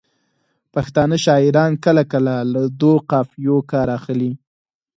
پښتانه شاعران کله کله له دوو قافیو کار اخلي.